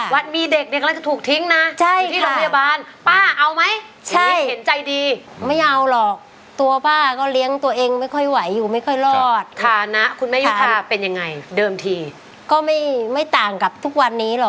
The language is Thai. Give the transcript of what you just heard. วัดมีเด็กในกรณะก็ถูกทิ้งนะอยู่ที่โรงพยาบาล